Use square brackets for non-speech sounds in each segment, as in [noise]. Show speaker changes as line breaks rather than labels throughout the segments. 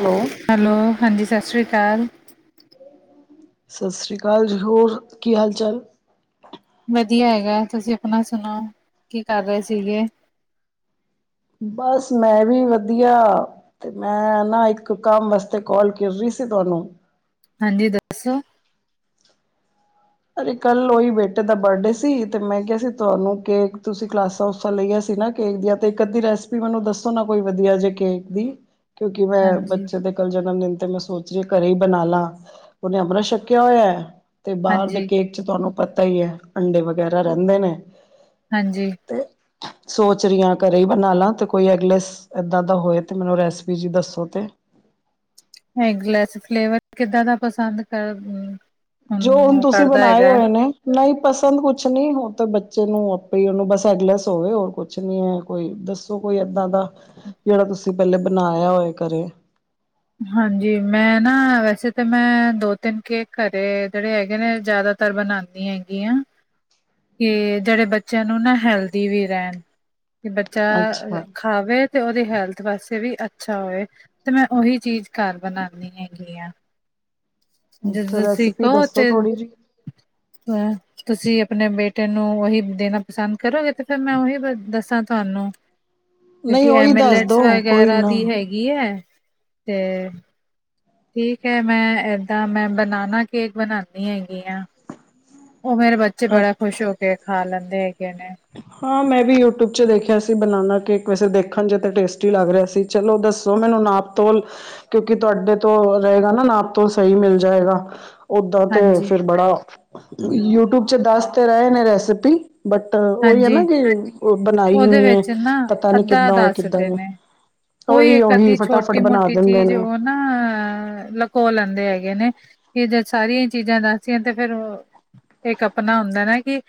Hello,
hello -ਹਾਂਜੀ ਸਤਿ ਸ਼੍ਰੀ ਅਕਾਲ,
ਸਤਿ ਸ੍ਰੀ ਅਕਾਲ ਜੀ ਹੋਰ ਕੀ ਹਾਲ- ਚਾਲ
ਵੱਧੀਆ ਹੈਗਾ, ਤੁਸੀਂ ਆਪਣਾ ਸੁਣਾਓ ਕੀ ਕਰ ਰਹੇ ਸੀਗੇ?
ਬਸ ਮੈਂ ਵੀ ਵੱਧੀਆ ਤੇ ਮੈਂ ਨਾ ਇੱਕ ਕੰਮ ਵਾਸਤੇ ਕਾਲ ਕੇਰ ਰਹੀ ਸੀ ਤੁਹਾਨੂੰ,
ਹਾਂਜੀ -ਦੱਸੋ?
ਅਰੇ ਕੱਲ ਉਹੀ ਬੇਟੇ ਦਾ ਬਰਡੇ ਸੀ। ਤੇ ਮੈਂ ਕਿਹਾ ਸੀ ਤੁਹਾਨੂੰ ਕੇਕ ਤੁਸੀਂ ਕਲਾਸਾਂ ਲਈਆਂ ਸੀ। ਨਾ ਕੇਕ ਦੀਆਂ ਤੇ ਇੱਕ ਅੱਧੀ ਰੈਸਪੀ ਮੈਨੂੰ ਦੱਸੋ ਨਾ ਕੋਈ ਵਧੀਆ ਜੇ ਕੇਕ ਦੀ ਕਿਉਂਕਿ ਮੈਂ
ਹਾਂਜੀ
ਬੱਚੇ ਦੇ ਜਨਮ ਦਿਨ ਤੇ ਮੈਂ ਸੋਚ ਰ ਘਰੇ ਹੀ ਬਣਾਲਾ ਉਹਨੇ ਅੰਮ੍ਰਿਤ ਛਕਿਆ ਹੋਇਆ ਤੇ ਬਾਹਰ ਦੇ
ਹਾਂਜੀ
ਕੇਕ ਚੱ ਤੁਹਾਨੂੰ ਪਤਾ ਹੀ ਹੈ। ਅੰਡੇ ਵਗੈਰਾ ਰਹਿੰਦੇ ਨੇ
ਹਾਂਜੀ‌।
ਅਤੇ [unintelligible] ਸੋਚ ਰਹੀਆਂ ਘਰੇ ਬਣਾ ਲਾ ਤੇ ਕੋਈ ਅਗਲੇ ਇਦਾ ਦਾ ਹੋਏ ਤੇ ਮੈਨੂੰ ਰੈਸਪੀ ਜੀ ਦੱਸੋ ਤੇ?
ਐਗ ਲੈਸ ਫਲੇਵਰ ਕਿੱਦਾਂ ਦਾ ਪਸੰਦ ਕਰਦੇ?
ਜੋ ਹੁਣ ਤੁਸੀਂ ਬਣਾਏ ਹੋਏ ਨੇ। ਨਹੀਂ ਪਸੰਦ ਕੁੱਛ ਨਹੀਂ ਉਹ ਤਾਂ ਬੱਚੇ ਨੂੰ ਆਪੇ ਉਹਨੂੰ ਬੱਸ ਐਗਲਸ ਹੋਵੇ ਹੋਰ ਕੁੱਛ ਪੁੱਛਣੀ ਹਾਂ, ਕੋਈ ਦੱਸੋ ਕੋਈ ਇਦਾਂ ਦਾ ਜਿਹੜਾ ਤੁਸੀਂ ਪਹਿਲੇ ਬਣਾਇਆ ਹੋਏ ਘਰੇ
ਹਾਂਜੀ, ਮੈਂ ਨਾ ਵੈਸੇ ਤਾਂ ਮੈਂ ਦੋ ਤਿੰਨ ਕੇਕ ਘਰੇ ਜਿਹੜੇ ਹੈਗੇ ਨੇ ਜ਼ਿਆਦਾ ਘਰ ਬਣਾਉਂਦੀ ਹੈਗੀਆਂ। ਕਿ ਜਿਹੜੇ ਬੱਚਿਆਂ ਨੂੰ ਨਾ ਹੈਲਦੀ ਵੀ ਰਹਿਣ ਕਿ
ਅੱਛਾ
ਬੱਚਾ ਖਾਵੇ ਤੇ ਉਹਦੀ ਹੈਲਥ ਵਾਸਤੇ ਵੀ ਅੱਛਾ ਹੋਵੇ। ਤੇ ਮੈਂ ਉਹੀ ਚੀਜ਼ ਘਰ ਬਣਾਉਂਦੀ ਹੈਗੀ ਆ। [unintelligible]
ਅੱਛਾ ਰੈਸਪੀ ਦੱਸੋ ਥੋੜ੍ਹੀ ਜਿਹੀ
ਤੁਸੀਂ ਆਪਣੇ ਬੇਟੇ ਨੂੰ ਉਹੀ ਦੇਣਾ ਪਸੰਦ ਕਰੋਗੇ ਤੇ ਫਿਰ ਮੈਂ ਉਹੀ ਦੱਸਾਂ ਤੁਹਾਨੂੰ ਕਿਉਂਕਿ
ਨਹੀਂ
ਇਹ
ਉਹੀ
ਮਿਲਟਸ
ਦੱਸਦੋ ਕੋਈ
ਵਗੈਰਾ
ਨਾ
[unintelligible] [unintelligible] ਠੀਕ ਹੈ। ਮੈਂ ਇਦਾ ਮੈਂ ਬਨਾਨਾ ਕੇਕ ਬਣਾਉਦੀ ਹੈਗੀ ਆ। ਉਹ ਮੇਰੇ ਬੱਚੇ
ਅੱ
ਬੜਾ ਖੁਸ਼ ਹੋ ਕੇ ਖਾ ਲੈਂਦੇ ਹੈਗੇ ਨੇ।
ਹਾਂ, ਮੈਂ ਵੀ ਯੂਟਿਊਬ ਚ ਦੇਖਿਆ ਸੀ। ਬਣਾਣਾ ਕੇਕ ਵੈਸੇ ਦੇਖਣ ਚੱ ਟੇਸਟੀ ਲੱਗ ਰਿਹਾ ਸੀ। ਚਲੋ ਦੱਸੋ, ਮੈਨੂੰ ਨਾਪ ਤੋਲ ਕਿਉਂਕਿ ਤੁਹਾਡੇ ਤੋਂ ਰਹੇਗਾ ਨਾ ਨਾਪ ਤੋਂ ਸਹੀ ਮਿਲ ਜਾਏਗਾ। ਓਦਾਂ ਤੇ
ਹਾਂਜੀ
ਫਿਰ ਬੜਾ ਯੂਟਿਊਬ ਚ ਦੱਸ ਤੇ ਰਹੇ ਨੇ ਰੈਸਪੀ ਬੱਟ ਉਹੀ ਹੈ। ਨਾ
ਹਾਂਜੀ
ਕਿ ਬਣਾਈ
ਉਹਦੇ
ਨੀ
ਵਿੱਚ ਨਾ
ਪਤਾ ਨੀ
ਅੱਧਾ
ਕਿੱਦਾਂ ਹੇ ਕਿੱਦਾਂ
ਦੱਸਦੇ
ਨ
ਨੇ ਕੋਈ
ਉਹੀ
ਇੱਕ
ਉਹੀ
ਅੱਧੀ
ਫਟਾਫਟ
ਛੋਟੀ
ਬਣਾ
ਮੋਟੀ
ਦਿੰਦੇ
ਚੀਜ਼
ਨੇ।
ਉਹ ਨਾ ਲਕੋ ਲੈਂਦੇ ਹੈਗੇ ਨੇ, ਫ ਜੇ ਸਾਰੀਆਂ ਹੀ ਚੀਜ਼ਾਂ ਦੱਸਦੀਆਂ ਤੇ ਫੇਰ ਇੱਕ ਆਪਣਾ ਹੁੰਦਾ ਨਾ ਕਿ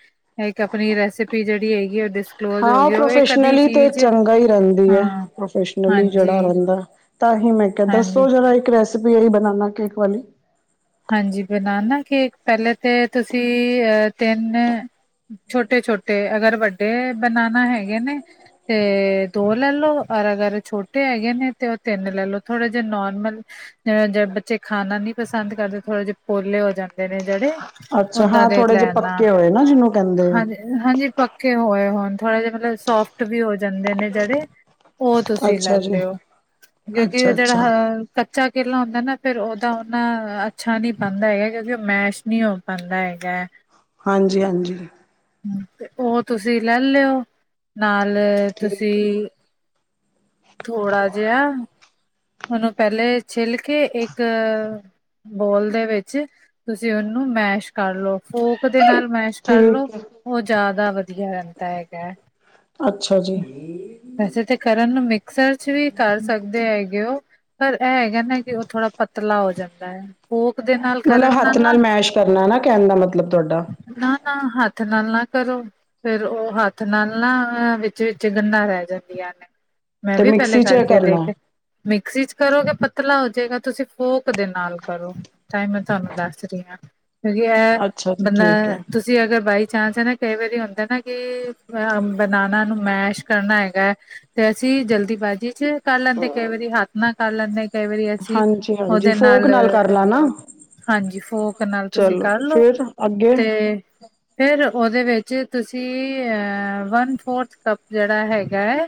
ਇੱਕ ਆਪਣੀ ਰੈਸਪੀ ਜਿਹੜੀ ਹੈਗੀ ਡਿਸ
ਹਾਂ, ਪ੍ਰੋਫੈਸ਼ਨਲੀ ਤੇ ਚੰਗਾ ਹੀ ਰਹਿੰਦੀ
ਹਾਂ
ਹੈ ਪ੍ਰੋਫੈਸਨਲੀ ਜਿਹੜਾ
ਹਾਂਜੀ
ਰਹਿੰਦਾ। ਤਾਂ ਹੀ ਮੈਂ ਕਿਹਾ
ਹਾਂਜੀ
ਦੱਸੋ ਜਰਾ ਇੱਕ ਰੈਸਪੀ ਬਨਾਣਾ ਕੇਕ ਵਾਲੀ।
ਹਾਂਜੀ, ਬਨਾਣਾ ਕੇਕ ਪਹਿਲੇ ਤੇ ਤੁਸੀਂ ਅ ਤਿੰਨ ਛੋਟੇ-ਛੋਟੇ ਅਗਰ ਵੱਡੇ ਬਨਾਨਾ ਹੈਗੇ ਨੇ ਤੇ ਦੋ ਲੈ ਲੋ ਔਰ ਅਗਰ ਛੋਟੇ ਹੈਗੇ ਨੇ ਤੇ ਉਹ ਤਿੰਨ ਲੈ ਲਓ ਥੋੜੇ ਜਿਹੇ ਨੋਰਮਲ ਬੱਚੇ ਖਾਣਾ ਨੀ ਪਸੰਦ ਕਰਦੇ ਥੋੜੇ ਜਹੇ ਪੋਲੇ ਹੋ ਜਾਂਦੇ ਨੇ ਜਿਹੜੇ
ਅੱਛਾ,
ਓਦਾਂ
ਹਾਂ
ਦੇ
ਥੋੜੇ ਜਿਹੇ
ਲੈਣਾ
ਪੱਕੇ ਹੋਏ ਨਾ ਜਿਹਨੂੰ ਕਹਿੰਦੇ ਆ।
ਹਾਂਜੀ, ਹਾਂਜੀ ਪੱਕੇ ਹੋਏ ਹੋਣ ਥੋੜੇ ਜਿਹੇ ਮਤਲਬ ਸੋਫਟ ਵੀ ਹੋ ਜਾਂਦੇ ਨੇ, ਜਿਹੜੇ ਉਹ ਤੁਸੀਂ ਲੈ
ਅੱਛਾ ਜੀ
ਲਿਓ, ਕਿਉਂਕਿ
ਅੱਛਾ
ਉਹ
ਅੱਛਾ
ਜਿਹੜਾ ਕੱਚਾ ਕੇਲਾ ਹੁੰਦਾ ਨਾ, ਫੇਰ ਉਹਦਾ ਉਹਣਾ ਅੱਛਾ ਨਹੀਂ ਬਨ ਦਾ ਹੈਗਾ। ਕਿਉਂਕਿ ਉਹ ਮੈਸ਼ ਨਹੀਂ ਹੋ ਪਾਉਂਦਾ ਹੈਗਾ।
ਹਾਂਜੀ-ਹਾਂਜੀ।
ਤੇ, ਉਹ ਤੁਸੀਂ ਲੈ ਲਿਓ ਨਾਲ
ਠੀਕ ਹੈ
ਤੁਸੀਂ ਥੋੜਾ ਜਿਹਾ ਉਹਨੂੰ ਪਹਿਲੇ ਛਿੱਲ ਕੇ ਇੱਕ ਬੌਲ ਦੇ ਵਿੱਚ ਤੁਸੀਂ ਉਹਨੂੰ ਮੈਸ਼ ਕਰ ਲੋ, ਫੋਰਕ ਦੇ ਨਾਲ ਮੈਸ਼ ਕਰ ਲੋ,
ਠੀਕ ਹੈ
ਉਹ ਜ਼ਿਆਦਾ ਵਧੀਆ ਰਹਿੰਦਾ ਹੈਗਾ।
ਅੱਛਾ ਜੀ
ਵੈਸੇ ਤਾਂ ਕਰਨ ਨੂੰ ਮਿਕ ਸਰਚ ਵੀ ਕਰ ਸਕਦੇ ਹੈਗੇ ਉਹ, ਪਰ ਇਹ ਹੈਗਾ ਨਾ ਕਿ ਉਹ ਥੋੜਾ ਪਤ ਪਤਲਾ ਹੋ ਜਾਂਦਾ ਹੈ। ਫੋਕ ਦੇ ਨਾਲ
ਮਤਲਬ
ਕਰਨ
ਹੱਥ
ਨਾ
ਨਾਲ ਮੈਸ਼ ਕਰਨਾ ਨਾ ਕਹਿਣ ਦਾ ਮਤਲਬ ਤੁਹਾਡਾ।
ਨਾ-ਨਾ ਹੱਥ ਨਾਲ ਨਾ ਕਰੋ ਫੇਰ ਉਹ ਹੱਥ ਨਾਲ ਨਾ ਵਿੱਚ ਵਿਚ ਗੰਡਾ ਰਹਿ ਜਾਂਦੀਆਂ ਨੇ। ਮੈਂ
ਤੇ
ਵੀ ਪਹਿਲੇ
ਮਿਕਸੀ ਚ
ਕਰਕੇ
ਕਰਨਾ
ਦੇਖਯ ਮਿਕਸੀ ਚ ਕਰੋਗੇ ਪਤਲਾ ਹੋ ਜਾਏਗਾ ਤੁਸੀਂ ਫੋਰਕ ਦੇ ਨਾਲ ਕਰੋ। ਤਾਂਈ ਮੈਂ ਤੁਹਾਨੂੰ ਦੱਸ ਰਹੀ ਹਾਂ ਕਿਉਂਕਿ ਇਹ
ਅੱਛਾ ਜੀ
ਬੰਦਾ
ਠੀਕ ਹੈ
ਤੁਸੀਂ ਅਗਰ ਬਾਈ ਚਾਂ ਚਾਂਸ ਹੈ ਨਾ, ਕਈ ਵਾਰੀ ਹੁੰਦਾ ਨਾ ਕਿ, ਬਨਾਨਾ ਨੂੰ ਮੈਸ਼ ਕਰਨਾ ਹੈਗਾ ਤੇ ਅਸੀਂ ਜਲਦੀਬਾਜ਼ੀ ਚ ਕਰ ਲੈਂਦੇ, ਕਈ ਵਾਰੀ ਹੱਥ ਨਾਲ ਕਰ ਲੈਂਦੇ। ਕਈ ਵਾਰੀ ਅਸੀ
ਹਾਂਜੀ ਹਾਂਜੀ
ਉਹਦੇ
ਫੋਕ
ਨਾਲ
ਕਰ ਲਾ ਨਾ
ਹਾਂਜੀ ਫੋਰਕ ਨਾਲ ਤੁਸੀਂ
ਚਲੋ
ਕਰਲੋ
ਫਿਰ ਅੱਗੇ
ਤੇ ਫਿਰ ਉਹਦੇ ਵਿੱਚ ਤੁਸੀਂ ਵਨ ਫੋਰਥ ਕੱਪ ਜਿਹੜਾ ਹੈਗਾ ਹੈ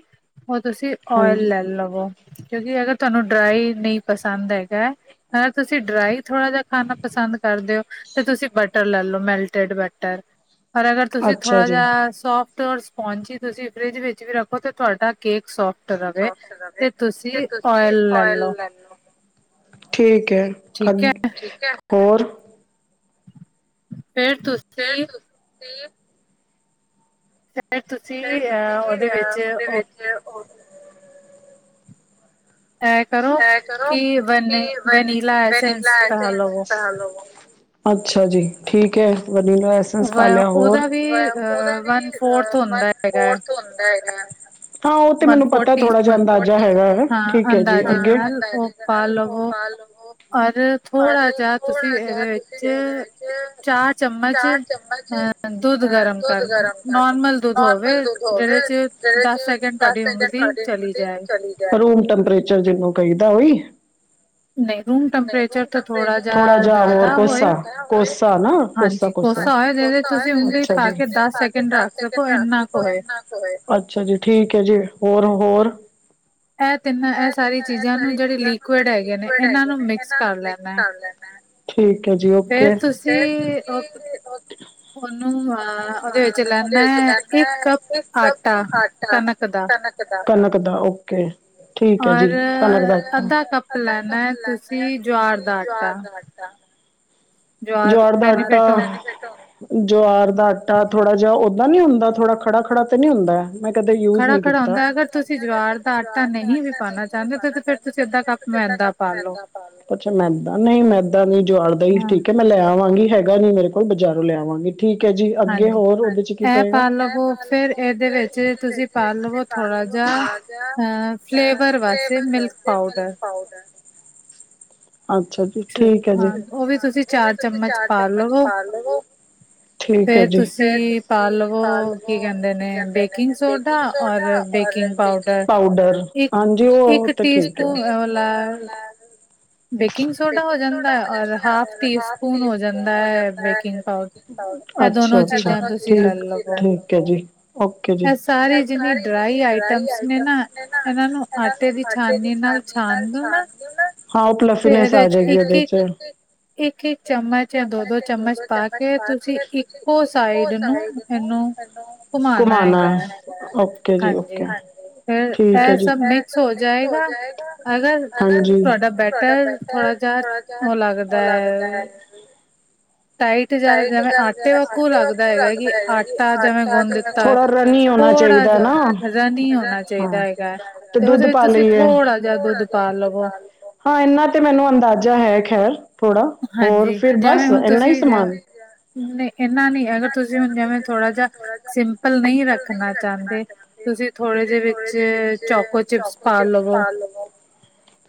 ਉਹ ਤੁਸੀਂ ਓਇਲ
ਹਾਂਜੀ
ਲੈ ਲਵੋ, ਕਿਉਂਕਿ ਅਗਰ ਤੁਹਾਨੂੰ ਡਰਾਈ ਨਹੀਂ ਪਸੰਦ ਹੈਗਾ ਹ ਤੁਸੀਂ ਡਰਾਈ ਥੋੜ੍ਹਾ ਜੇਹਾ ਖਾਣਾ ਪਸੰਦ ਕਰਦੇ ਹੋ ਤੇ ਤੁਸੀਂ ਬਟਰ ਲੈਲੋ ਮੈਲਟਡ ਬਟਰ, ਅਗਰ ਤੁਸੀਂ
ਅੱਛਾ
ਥੋੜਾ
ਜੀ
ਜੇਹਾ ਸੋਫਟ ਟ ਸਪੋਂਚ ਹੀ ਤੁਸੀਂ ਫਰਿਜ ਵਿੱਚ ਵੀ ਰੱਖੋ ਤੇ ਤੁਹਾਡਾ ਕੇਕ ਸੋਫਟ ਸੋਫਤ ਰਵੇ ਤੇ ਤੁਸੀਂ ਓਇਲ ਲੈ ਲਓ।
ਠੀਕ ਹੈ ਅ
ਠੀਕ ਹੈ
ਹੋਰ
ਫੇਰ ਤੁ
ਫੇਰ ਤ
ਫਿਰ
ਫ ਤੁਸੀਂ
ਅ ਉਹਦੇ
ਅ ਉਹਦੇ ਵਿੱਚ ਉਹ
ਇਹ ਕਰੋ
ਏ ਕਰੋ
ਕਿ ਵਨ
ਕਿ ਵਨੀ
ਵਨੀਲਾ ਐਸੈਂਸ
ਵੈਨੀਲਾ
ਪਾ ਲਵੋ
ਐਸੇਸ ਡਾਲੋ ਅੱਛਾ ਜੀ ਠੀਕ ਹੈ ਵੈਨੀਲਾ ਐਸੈਂਸ
ਵ
ਐੱਸੈਨਸ ਹੋਰ
ਉਹਦਾ ਵੀ
ਓਦਾ
ਅ
ਵੀ
ਵਨ ਫੋਰਥ
ਵ
ਹੁੰਦਾ ਹੈਗਾ ਹੈ
ਫੋਰਥ ਹੁੰਦਾ ਹੈਗਾ। ਹਾ ਉਹ ਤੇ
ਵਨ
ਮੈਨੂੰ
ਫੋਰਥ
ਪਤਾ,
ਟੀ
ਥੋੜਾ ਜਿਹਾ
ਸਪੂਨ
ਅੰਦਾਜ਼ਾ ਹੈਗਾ ਹੈ
ਹਾਂ
ਠੀਕ
ਅੰਦਾਜ਼ੇ ਦੇ ਨਾਲ
ੰਦਾਜ਼
ਉਹ
ਦੇ
ਪਾ
ਨਾਲ ਉਹ
ਲਵੋ
ਪਾ ਲਵੋ,
ਔਰ
ਪਰ
ਥੋੜਾ ਜਿਹਾ ਤੁਸੀਂ
ਥੋੜਾ ਜਾਿਹਾ
ਇਹਦੇ
ਤੁਸੀਂ
ਵਿੱਚ
ਇਹ
ਚਾਰ ਚਮਚ
ਚਾਰ ਚਮਚ
ਦੁੱਧ
ਅ
ਗਰਮ
ਦੁੱਧ
ਕਰ
ਗਰਮ ਕਰ ਲੋ
ਨੋਰਮਲ ਦੁੱਧ ਹੋਵੇ
ਨੋਰਮਲ ਦੁੱਧ ਹੋਵੇ
ਜਿਹਦੇ ਚ
ਜਿਦੇਹ
ਦਸ
ਚ
ਸੈਕਿੰਡ
ਦਸ
ਤੁਹਾਡੀ
ਸੈਕਿੰਡ
ਉਂਗਲੀ
ਤੁਹਾਡੇ
ਚਲੀ
ਉਦੇ
ਜਾਏ
ਚਲੀ ਰੂਮ ਟੈਂਪਰੇਚਰ ਜਿਹਨੂੰ ਕਹਿਦਾ ਔ ਈ
ਨਹੀਂ ਰੂਮ
ਨਹੀ ਰੂਮ
ਟੈਂਪਰੇਚਰ ਤੋਂ
ਟੈਂਪ੍ਰੈਰੇਚਰ ਥੋੜਾ
ਜਿਹਾ
ਜੇਹਾ ਹੋਰ
ਜ਼ਿਆਦਾ ਹੋਏ
ਕੋਸਾ ਕੋਸਾ ਨਾ
ਹਾਂਜੀ
ਕੋਸਾ ਾਂਾ
ਹੋਏ
ਦੱਖ
ਜਿਹਦੇ ਤੁਸੀਂ
[inaudible]
ਉਂਗਲੀ ਪਾ ਕੇ ਦਸ ਸੈਕਿੰਡ ਰੱਖ ਸਕੋ ਇੰਨਾ ਕੁ ਹੋਏ
ਅੱਛਾ ਜੀ ਠੀਕ ਹੈ ਜੀ ਹੋਰ ਹੋਰ
ਇਹ ਤਿੰਨਾਂ
ਇਹ
ਸਾਰੀ
ਇਹ
ਚੀਜ਼ਾਂ ਨੂੰ
ਸਾਰੀ
ਜਿਹੜੇ
ਚੀਜ਼ਾਂ ਇਹ
ਲਿਕੁਡ
ਜਿਹੜੇ
ਹੈਗੇ ਨੇ
ਲਿਕੁਡ
ਇਹਨਾਂ
ਹੈਗੇ
ਨੂੰ
ਨੇ
ਮਿਕਸ
ਇਹਨਾਂ ਨੂੰ
ਕਰ
ਮਿਕਸ
ਲੈਣਾ ਹੈ।
ਕਰ ਲੈਨਾ ਹੈ ਠੀਕ ਹੈ ਜੀ
ਫੇਰ
ਓਕੇ ਫੇਰ
ਤੁਸੀਂ ਉਹ
ਤੁਸੀ ਉਹਦ
ਉਹਨੂੰ ਅ ਉਹਦੇ ਵਿੱਚ ਲੈਣਾ
ਉਹਦੇ ਵਿੱਚ
ਹੈ
ਲੈਣਾ
ਇੱਕ
ਐ,
ਕੱਪ
ਇੱਕ ਕੱਪ
ਆਟਾ
ਆਟਾ
ਕਣਕ ਦਾ
ਕਣਕ ਦਾ ਓਕੇ ਠੀਕ ਹੈ
ਔਰ
ਜੀ, ਅੱਧਾ ਕੱਪ
ਅੱਧਾ ਕੱਪ ਲੈਣਾ ਹੈ
ਲੈਣਾ
ਤੁਸੀਂ ਜਵਾਰ ਦਾ
ਜਵਾਰ
ਆਟਾ
ਦਾ ਆਟਾ ਜਵਾਰ ਦਾ
ਬੈਨੀਫਿਟ
ਆਟਾ
ਹੁੰ
ਜੁਆਰ ਦਾ ਆਟਾ ਥੋੜਾ ਜਿਆ ਓਦਾਂ ਨੀ ਹੁੰਦਾ ਥੋੜਾ ਖੜਾ ਖੜਾ ਤੇ ਨੀ ਹੁੰਦਾ ਐ। ਮੈਂ ਕਦੇ ਯੂਜ
ਖੜਾ
ਨੀ
ਖੜਾ
ਕੀਤਾ।
ਹੁੰਦਾ ਅਗਰ ਤੁਸੀਂ ਜਵਾਰ ਦਾ ਆਟਾ ਨਹੀਂ ਵੀ ਪਾਣਾ ਚਾਂਦੇ
[unintelligible]
ਤੁਸ
ਪੁੱਛ ਮੈਦਾ ਨਈ ਮੈਦਾ ਨੀ ਜੁਆਰ ਦਾ ਈ
ਹਾਂ
ਠੀਕ ਏ। ਮੈਂ ਲੈ ਆਵਾਂਗੀ ਹੈਗਾ ਨੀ ਮੇਰੇ ਕੋਲ ਬਜ਼ਾਰੋਂ ਲੈ ਆਵਾਂਗੀ। ਠੀਕ ਐ ਜੀ ਅੱਗੇ
ਹਾਂਜੀ
ਹੋਰ ਓਦੇ ਚ ਕੀ
ਇਹ
ਪਏਗਾ?
ਪਾ
ਐ
ਲਵੋ
ਪਾ
ਫਿਰ
ਲੋ
ਇਹਦੇ
ਫੇਰ
ਵਿੱਚ
ਓਦੇ ਚ ਜੇ
ਤੁਸੀਂ ਪਾ
ਤੁਸੀ
ਲਵੋ
ਪਾ
ਥੋੜ੍ਹਾ
ਲਵੋ [unintelligible]
ਜਿਹਾ
ਚ ਜਾ।
ਅ
[unintelligible] ਮ
ਫਲੇਵਰ ਵਾਸਤੇ
ਪਾ ਮਿਲਕ
ਪਾਊਡਰ
ਪਾਊਡਰ ਅੱਛਾ ਜੀ ਠੀਕ ਐ ਜੀ
ਹਾਂ ਉਹ ਵੀ
ਹਾਂ
ਤੁਸੀਂ
ਉਵੀ
ਚਾਰ
ਤੁਸੀਂ
ਚਮਚ
ਚਾਰ
ਪਾ
ਚਮਚ
ਲਵੋ
ਪਾ ਲਵੋ। ਠੀਕ ਐ
ਫੇਰ
ਜੀ ਫੇਰ
ਪਾ
ਤੁਸੀਂ
ਲਵੋ
ਪਾ
ਕੀ
ਲਵੋ
ਕਹਿੰਦੇ ਨੇ
ਕੀ ਕੈਂਦੇ
ਬੇਕਿੰਗ
ਨੇ ਬੇਕ
ਸੋਡਾ
ਕਿੰਗ
ਔਰ
ਸੋਡਾ ਔਰ
ਬੇਕਿੰਗ ਪਾਊਡਰ
ਬੇਕਿੰਗ ਪਾਊਡਰ।
ਇੱਕ
ਹਾਂਜੀ ਓਹ
ਇੱਕ
ਤੇ
ਟੀ
ਠੀਕ ਆ ਇੱਕ
ਸਪੂਨ
ਟੇਸਟ
ਵਾਲਾ
[unintelligible]
ਬੇਕਿੰਗ
ਬੇਕਿੰਗ
ਜਾਂਦਾ
ਸੋਡਾ ਹੋ
ਹੈ ਔਰ
ਜਾਂਦਾ ਐ ਔਰ ਹਾਫ ਟੀ ਸਪੂਨ
ਜਾਂਦਾ
ਹੋ
ਹੈ
ਜਾਂਦਾ ਐ
ਬੇਕਿੰਗ ਪਾਊਡਰ ਇਹ
ਅੱਛਾ,
ਦੋਨੋ ਚੀਜ਼ਾਂ
ਅੱਛਾ
ਤੁਸੀਂ ਲੈ
ਠੀਕ
ਲਵੋ
ਠੀਕ ਐ ਜੀ, ਓਕੇ ਜੀ। ਐ ਸਾਰੀ ਜਿਨੀ ਡ੍ਰਾਈ ਆਈਟਮਸ ਨੇ ਨਾ ਇਨਾਂ ਨੂੰ ਆਟੇ ਦੀ ਛਾਨਨੀ ਨਾਲ ਛਾਣ ਦੇਨਾ। ਹਾਂ
ਤੇ
ਪਲਫੀਨੈਸ
ਇਹਦੇ
ਆ
ਵਿੱਚ
ਜੇਗੀ ਓਦੇ ਚ। ਇੱਕ, ਇੱਕ ਚਮਚ ਤੇ ਦੋ, ਦੋ ਚਮਚ ਪਾ ਕੇ ਤੁਸੀਂ ਇੱਕੋ ਸਾਈਜ਼ ਘੁਮਾਣਾ ਓਕੇ ਜੀ ਓਕੇ, ਹਾਂਜੀ ਠੀਕ ਐ ਜੀ। ਐ ਸਭ ਮਿਕਸ ਹੋ ਜਾਏਗਾ
ਅਗਰ
ਹਾਂਜੀ
ਤੁਹਾਡਾ
ਤੁਆਡਾ ਬੈਟਰ
ਜਿਹਾ
ਥੋੜਾ ਕ
ਉਹ
[unintelligible] ਓ
ਲੱਗਦਾ
ਲੱਗਦੈ
ਹੈ
ਏਨੂੰ
ਟਾਈਟ ਜਿਹਾ
ਤਾਈਂ ਤੇ
ਜਿਵੇਂ
ਕੈ ਰੇ ਜਿਵੇ
ਵਾਕੂ
ਆਟੇ ਵਾਂਗੂੰ ਲੱਗਦਾ
ਕਿ
ਹੈਗਾ ਜੀ
ਜਿਵੇਂ
ਆਟਾ
ਗੁੰਨ
ਜ
ਦਿੱਤਾ ਹੈ।
ਥੋੜਾ ਰਨੀ ਹੋਣਾ ਚਾਈ
ਥੋੜਾ
ਦਾ
ਜਿਹਾ
ਨਾ
ਹਜਾ ਨਹੀਂ
ਰਨੀ
ਚਾਹੀਦਾ
ਹੋਣਾ ਚਾਈ
ਹੈਗਾ ਹੈ। ਤੇ ਓਦੇ ਵਿੱਚ ਤੁਸੀ ਥੋੜਾ ਜਿਆ ਦੁੱਧ ਪਾ ਲਵੋ।
ਹਾਂ ਏਨਾਂ ਤੇ ਮੈਨੂੰ ਅੰਦਾਜ਼ਾ ਹੈ ਖੈਰ ਥੋੜ੍ਹਾ ਹੋਰ
ਹਾਂਜੀ
ਫਿਰ ਬਸ ਏਨਾ ਈ ਸਮਾਨ।
ਨਈ ਏਨਾ ਨੀ ਹੈਗਾ ਤੁਸੀਂ ਹੁਣ ਜੈਂਵੇਂ ਥੋੜ੍ਹਾ ਜਿਆ ਸਿੰਪਲ ਨਈ ਰੱਖਣਾ ਚਾਂਦੇ। ਤੁਸੀਂ ਥੋੜ੍ਹੇ ਜੇ ਵਿੱਚ ਚੋਕੋ ਚਿਪਸ ਪਾ ਲਵੋ
[inaudible]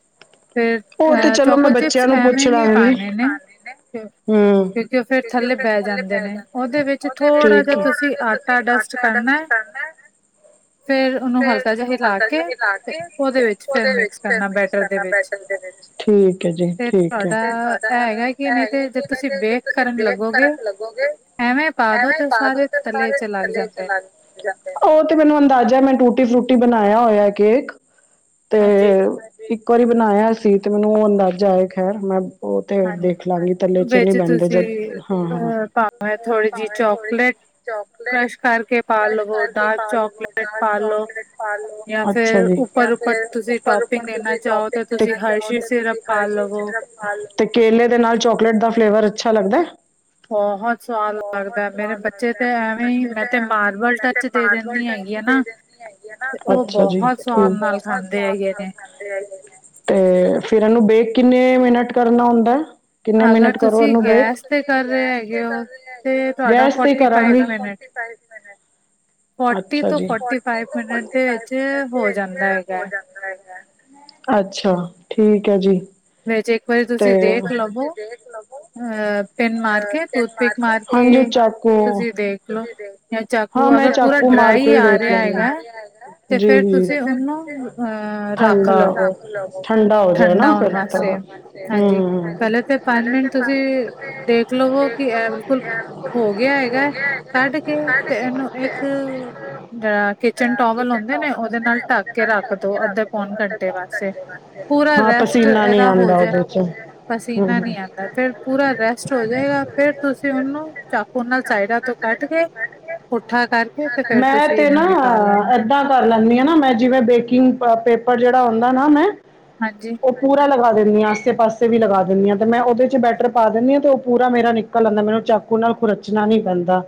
ਫੇਰ
ਉਹ ਤੇ
ਅ
ਚਲੋ ਮੈਂ
ਚੋਕੋ ਚਿਪਸ
ਬੱਚਿਆਂ ਨੂੰ
ਐਵੇ
ਪੁੱਛ
ਨੀ ਪਾਣੇ ਨੇ
ਹਮ
ਕਿਉਂਕਿ ਓ ਫੇਰ ਥੱਲੇ ਬਹਿ ਜਾਂਦੇ ਨੇ। ਓਦੇ ਵਿੱਚ ਥੋੜ੍ਹਾ ਜਿਆ ਤੁਸੀ ਆਟਾ ਡਸਟ ਕਰਨੈ।
ਫੇਰ
ਹਲਕਾ ਜਿਹਾ
ਉਨੂੰ
ਹਿਲਾ
ਹਲਕਾ ਜਿਆ
ਕੇ
ਹਿਲਾ ਕੇ ਤੇ
ਉਹਦੇ ਵਿੱਚ ਫਿਰ
ਓਦੇ ਵਿੱਚ
ਮਿਕਸ
ਫਿਰ
ਕਰਨਾ
ਮਿਕਸ
ਬੈਟਰ ਦੇ
ਕਰਨਾ
ਵਿੱਚ
ਬੈਟਰ ਦੇ ਵਿੱਚ। ਠੀਕ ਐ ਜੀ
ਤੇ
ਠੀਕ ਐ।
ਤੁਹਾਡਾ
ਤੇ ਤੁਆਡਾ
ਇਹ ਹੈਗਾ ਕਿ
ਐ
ਨਹੀਂ
ਹੈਗਾ
ਤੇ ਜੇ
ਕਿ ਨਈ
ਤੁਸੀਂ
ਤੇ
ਬੇਕ
ਦੇਖੋ ਜੇ
ਕਰਨ
ਬੇਕ
ਲੱਗੋਗੇ
ਕਰਨ ਲੱਗੋਗੇ
ਐਵੇਂ ਪਾ ਦੋ
ਐਵੇਂ
ਤੇ
ਪਾਦੇ
ਸਾਰੇ
ਤੇ
ਤਲੇ
ਸਾਰੇ
ਚ ਲੱਗ
ਥੱਲੇ
ਜਾਂਦੇ
ਚਲਾ ਗ ਓ ਤੇ ਮੈਨੂੰ ਅੰਦਾਜ਼ਾ ਮੈਂ ਟੂਟੀ ਫਰੂਟੀ ਬਣਾਇਆ ਹੋਇਆ ਕੇਕ। ਤੇ
ਹਾਜੀ
ਇੱਕ ਵਾਰੀ ਬਣਾਇਆ ਅਸੀ ਤੇ ਮੈਨੂੰ ਐ ਅੰਦਾਜ਼ਾ ਏ ਖੈਰ ਮੈਂ ਓ ਤੇ
ਹਨ
ਦੇਖ ਲਾਂਗੀ ਤਲੇ ਚ ਨੀ ਬੈੰਦੇ ਦੇ ਜ ਹਾਂ ਹਾਂ
ਓ ਥੋੜੀ ਜੀ ਚੋਕਲੇਟ
ਚੋਕਲੇਟ ਕਰਸ਼ ਕਰਕੇ
ਡਾਰਕ
ਪਾ ਲਵੋ
ਚਾਕਲੇਟ
ਡਾਰਕ
ਪਾ ਲਓ
ਚੌਕਲੇਟ ਪਾ ਲੋ
ਜਾਂ
ਅੱਛਾ
ਫਿਰ
ਜੀ
ਉੱਪਰ
ਜਾਂ
ਉੱਪਰ
ਫੇਰ
ਤੁਸੀਂ
ਉੱਪਰ
ਟੌਪਿੰਗ
ਉਪਰ
ਦੇਣਾ
ਤੁਸੀਂ
ਚਾਹੋ ਤੇ
ਟੋਪਿੰਗ
ਤੁਸੀਂ
ਦੇਣਾ ਚਾਹੋ
ਹਰਸ਼ੀ
ਤੇ
ਸਿਰਪ
ਤੁਸੀਂ
ਪਾ
ਹਰ ਚੀਜ਼
ਲਵੋ
ਸਿਰ ਤੇ ਕੇਲੇ ਦੇ ਨਾਲ ਚੋਕਲੇਟ ਦਾ ਫਲੇਵਰ ਅੱਛਾ ਲੱਗਦੈ?
ਬਹੁਤ ਸਵਾਦ
ਬਹੁਤ
ਲੱਗਦਾ ਹੈ। ਮੇਰੇ
ਸਵਾਦ
ਬੱਚੇ ਤੇ
ਲੱਗਦੈ ਮੇਰੇ
ਐਵੇਂ ਹੀ
ਬੱਚੇ
ਮੈਂ
ਤੇ ਐਵੇਂ ਈ
ਮਾਰਬਲ
ਮੈਂ ਤੇ
ਟੱਚ ਦੇ
ਮਾਰਬਲ
ਦਿੰਦੀ ਹੈਗੀ ਆ
ਟੱਚ ਦੇ
ਨਾ
ਦਿੰਦ ਹੈਗੀ ਐ ਨਾ,
ਤੇ ਉਹ
ਅੱਛਾ ਜੀ
ਬਹੁਤ
ਓ
ਸਵਾਦ ਨਾਲ
ਬੋਤ
ਖਾਂਦੇ
ਸਵਾਦ
ਹੈਗੇ
ਨਾਲ
ਨੇ
ਖਾਂਦੀ ਤੇ ਫਿਰ ਓਨੂੰ ਬੇਕ ਕਿੰਨੇ ਮਿੰਨਟ ਕਰਨਾ ਹੁੰਦੈ। ਕਿੰਨੇ
ਅਗਰ
ਮਿੰਨਟ ਕਰੋ
ਤੁਸੀਂ
ਓਨੂੰ ਬੇਕ
ਗੈਸ ਤੇ ਕਰ ਰਹੇ ਹੈਗੇ ਹੋ ਤੇ ਤੁਹਾਡਾ
ਗੈਸ ਤੇ ਈ
ਫੋਰਟੀ ਫਾਈਵ
ਕਰਾਂਗੀ।
ਮਿੰਟ ਫੋਰਟੀ
ਅੱਛਾ
ਤੋਂ
ਜੀ,
ਫੋਰਟੀ
ਫੌਟੀ
ਫਾਈਵ
ਤੋਂ
ਮਿੰਟ
ਫੌਟੀ
ਦੇ
ਫਾਈਵ
ਵਿੱਚ
ਮਿੰਨਟ
ਹੋ
ਏਚ
ਜਾਂਦਾ ਹੈਗਾ
ਹੋ
ਹੈ।
ਜਾਂ ਅੱਛਾ। ਠੀਕ ਐ ਜੀ,
ਵਿੱਚ ਇੱਕ ਵਾਰੀ
ਤੇ
ਤੁਸੀਂ
ਇਕ
ਦੇਖ
ਵਾਰੀ ਤੁਸੀਂ
ਲਵੋ
ਦੇਖ ਲਵੋ
ਅ ਪਿੰਨ ਮਾਰ ਕੇ ਟੂਥਪਿਕ ਮਾਰ ਕੇ
ਹਾਂਜੀ ਚਾਕੂ
ਤੁਸੀਂ ਦੇਖ ਲਓ ਜਾਂ ਚਾਕੂ
ਹਾਂ ਮੈਂ
ਅਗਰ ਪੂਰਾ
ਚਾਕੂ ਮਾਰ
ਡਰਾਈ
ਕੇ ਈ
ਆ
ਦੇਖ
ਰਿਹਾ
ਲੈਂਨੀ ਆਂ।
ਹੈਗਾ ਹੈ ਤੇ ਫਿਰ
ਜੀ-ਜੀ,
ਤੁਸੀਂ ਉਹਨੂੰ ਅਹ ਰੱਖ
ਠੰਡਾ
ਲਵੋ
ਰੱਖ ਲਓ। ਠੰਡਾ ਹੋ ਜਾਏ ਨਾ
ਠੰਡਾ ਹੋਣ
ਫਿਰ
ਵਾਸਤੇ
ਥੋੜਾ,
ਹਾਂਜੀ
ਹੂੰ-ਹੂੰ
ਪਹਿਲੇ ਪੰਜ
ਪੈਲੇ ਸੇ
ਮਿੰਟ ਤੁਸੀਂ ਤੇ ਦੇਖ ਲਵੋ ਕੇ ਐੲ ਬਿਲਕੁਲ ਹੋ ਗੇਆ ਹੈਗੈ ਕੱਢ ਕੇ ਤੇ ਏਨੂੰ ਇੱਕ ਜੇੜਾ ਕਿਚਨ ਟੋਵਲ ਹੁੰਦੈ ਨਾ ਓਦੇ ਨਾਲ ਢੱਕ ਕੇ ਰੱਖ ਦੋ ਅੱਧੇ ਪੌਨੇ ਘੰਟੇ ਵਾਸਤੇ। ਪੂਰਾ
ਹਾਂ
ਰੈਸਟ ਏਦਾ ਹੋ ਜਏ, ਪਸੀਨਾ
ਹਮ
ਨੀ ਆਂਦਾ ਫੇਰ ਪੂਰਾ
ਫਿਰ
ਰੈਸਟ
ਪੂਰਾ
ਹੋ ਜਾਏਗਾ ਫੇਰ ਤੁਸੀਂ
ਫਿਰ
ਓਨੂੰ ਚਾਕੂ ਨਾਲ
ਤੁਸੀਂ
ਸਾਈਡਾਂ
ਪੁੱਠਾ
ਤੋਂ ਕੱਟ ਕੇ
ਕੱਢ
ਪੁੱਠਾ ਕਰਕੇ ਤੇ
ਕੇ
ਫੇਰ ਤੁਸੀਂ ਏਨੂੰ ਨਿਕਾਲ ਲੈਨਾ।
ਪੁੱਠਾ ਕਰ ਲੈਂਨੀ ਆਂ ਨਾ ਮੈਂ ਜਿਵੇਂ ਬੇਕਿੰਗ ਪੇਪਰ ਜੇੜਾ ਹੁੰਦਾ ਨਾ ਮੈਂ
ਹਾਂਜੀ।
ਓ ਪੂਰਾ ਲਗਾ ਦਿੰਨੀ ਆਂ ਆਸੇ ਪਾਸੇ ਵੀ ਲਗਾ ਦਿੰਨੀ ਆਂ ਮੈਂ ਓਦੇ ਚ ਬੈਟਰ ਪਾ ਦਿੰਨੀ ਆਂ ਤੇ ਪੂਰਾ ਮੇਰਾ ਨਿਕਲ ਆਂਦਾ ਮੈਨੂੰ ਚਾਕੂ ਨਾਲ ਖੁਰਚਨਾ ਨੀ ਪੈਂਦਾ।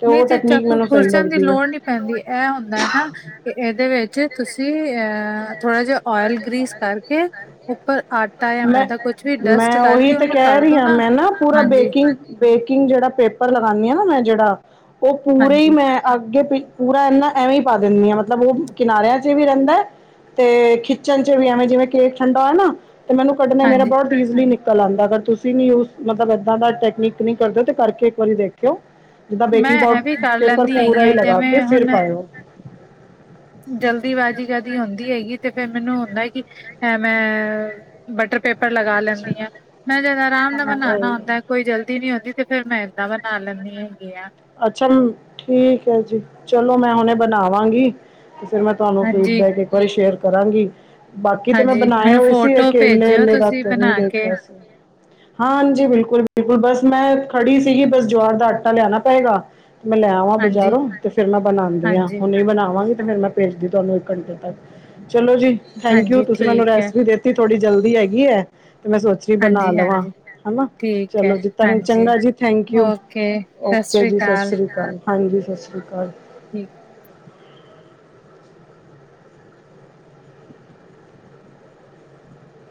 ਤੇ
ਨਹੀਂ
ਓ ਟੈਕਨੀਕ
ਚਾਕੂ
ਮੈਨੂੰ ਸਈ
ਖੁਰਚਣ ਦੀ
ਲੱਗਦੀ ਏ।
ਲੋੜ ਨਹੀਂ ਪੈਂਦੀ ਐਹ ਹੁੰਦੈ ਨਾ ਕਿ ਏਦੇ ਵਿੱਚ ਤੁਸੀਂ ਅਹ ਥੋੜਾ ਜਾ
ਥੋੜਾ ਜਾ ਔਇਲ ਮਿਕਸ
ਆਟਾ ਜਾਂ
ਕਰਕੇ
ਮੈਦਾ ਕੁਛ ਵੀ ਡਸਟ
ਮੈਂ-ਮੈਂ ਓਹੀ
ਕਰਕੇ
ਤੇ
ਉਹਨੂੰ
ਕੈ
ਕਰ
ਰਈ
ਦੋ
ਆਂ ਮੈਂ ਨਾ ਪੂਰਾ
ਹਾਂਜੀ,
ਬੇਕਿੰਗ-ਬੇਕਿੰਗ ਜੇੜਾ ਪੇਪਰ ਲਗਾਨੀ ਆਂ ਨਾ ਮੈਂ ਜੇੜਾ ਓ ਪੂਰਾ ਈ
ਹਾਂਜੀ,
ਮੈਂ ਅੱਗੇ ਪ ਪੂਰਾ ਐਨਾ ਐਵੀਂ ਪਾ ਦਿੰਨੀ ਆਂ ਮਤਲਬ ਓ ਕਿਨਾਰਿਆਂ ਚ ਵੀ ਰੈਂਦੈ ਤੇ ਖਿੱਚਨ ਚ ਵੀ ਐਵੇਂ ਜਿਵੇਂ ਕੇਕ ਠੰਡਾ ਹੋਏਆ ਨਾ ਤੇ ਮੈਨੂੰ ਕੱਢਨੈ ਮੇਰਾ
ਹਾਂਜੀ
ਬੋਤ ਇਜ਼ਲੀ ਨਿਕਲ ਆਂਦੈ ਅਗਰ ਤੁਸੀਂ ਨੀ ਉਸ ਮਤਲਬ ਏਦਾਂ ਦਾ ਟੈਕਨੀਕ ਨੀ ਕਰਦੇ ਓਂ ਤੇ ਕਰਕੇ ਇੱਕ ਵਾਰੀ ਦੇਖ ਕਿਓਂ ਜਿੱਦਾਂ
ਮੈਂ
ਬੇਕਿੰਗ ਪਾਊ
ਇਹ ਵੀ ਕਰ
ਪੇਪਰ
ਲੈਂਦੀ ਹੈਗੀ
ਪੂਰਾ ਈ
ਆ
ਲਗਾ
ਜਿਵੇਂ
ਕੇ ਫਿਰ
ਹੁਣ
ਪਾਏਓ।
ਜਲਦੀਬਾਜ਼ੀ ਕਦੀ ਹੁੰਦੀ ਹੈਗੀ ਤੇ ਫੇਰ ਮੈਨੂੰ ਹੁੰਦਾ ਕੀ ਐ ਮੈਂ ਬਟਰ ਪੇਪਰ ਲਗਾ ਲੈਂਦੀ ਆਂ, ਮੈਂ ਜਦ ਆਰਾਮ ਨਾਲ
ਹਾਂ,
ਬਨਾਨਾ
ਉਹੀ।
ਹੁੰਦੈ ਕੋਈ
ਹੈ,
ਜਲਦੀ ਨੀ ਹੁੰਦੀ ਤੇ ਫਿਰ ਮੈਂ ਏਦਾਂ ਬਨਾ ਲੈਂਨੀ ਹੈਗੀ ਆ।
ਲੈਂਦੀ ਅੱਛਾ ਠੀਕ ਐ ਜੀ, ਚਲੋ ਮੈਂ ਹੁਨੇ ਬਨਾਵਾਂਗੀ। ਤੇ ਫਿਰ ਮੈਂ ਤੁਆਨੂੰ
ਹਾਂਜੀ
ਫੀਡਬੈਕ ਇੱਕ ਵਾਰੀ ਸ਼ੇਅਰ ਕਰਾਂਗੀ। ਬਾਕੀ ਤੇ ਮੈਂ
ਹਾਂਜੀ,
ਬਨਾਏਆ
ਮੈਨੂੰ
ਹੋਏਆ ਸੀ ਏ
ਫੋਟੋ
ਕੇਲੇ
ਭੇਜਿਓ
ਵੇਲੇ ਦਾ
ਤੁਸੀਂ
ਕਰਕੇ
ਬਣਾ
ਨਈ
ਕੇ
ਦੇਖੇਆ ਹੋਏਆ ਸੀ। ਹਾਂਜੀ ਬਿਲਕੁਲ-ਬਿਲਕੁਲ ਬਸ ਮੈਂ ਖੜੀ ਸੀਗੀ ਬਸ ਜੁਆਰ ਦਾ ਆਟਾ ਲਿਆਨਾ ਪਏਗਾ। ਤੇ ਮੈਂ ਲੈਵਾਂ
ਹਾਂਜੀ,
ਬਜ਼ਾਰੋਂ ਤੇ ਫੇਰ ਮੈਂ ਬਨਾਂਦੀ ਆਂ
ਹਾਂਜੀ,
ਹੁਨੀ ਬਨਾਵਾਂਗੀ ਫਿਰ ਮੈਂ ਭੇਜਦੀ ਤੁਆਨੂੰ ਇੱਕ ਘੰਟੇ ਤੱਕ, ਚਲੋ ਜੀ ਥੈਂਕ ਯੂ
ਹਾਂਜੀ
ਤੁਸੀਂ ਮੈਨੂੰ
ਠੀਕ ਐ।
ਰੈਸਟ ਵੀ ਦੇ ਤੇ ਥੋੜੀ ਜਲਦੀ ਹੈਗੀ ਐ, ਤੇ ਮੈਂ ਸੋਚੇਆ ਜੀ ਬਨਾ
ਹਾਂਜੀ,
ਲਵਾਂ,
ਹਾਂਜੀ
ਹਨਾ
ਠੀਕ ਐ,
ਚਲੋ ਜੀ ਤਾਂ
ਹਾਂਜੀ
ਚੰਗਾ ਜੀ ਥੈਂਕ ਯੂ,
ਓਕੇ ਸਤਿ
ਓਕੇ
ਸ੍ਰੀ
ਜੀ ਸਸ ਰੀ ਸਸ
ਅਕਾਲ
ਰੀ ਕਾਲ, ਹਾਂਜੀ ਸਸ ਰੀ ਕਾਲ।
ਠੀਕ